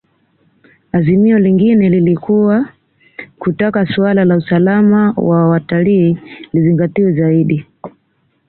Azimio lingine lilikuwa kutaka suala la usalama wa watalii lizingatiwe zaidi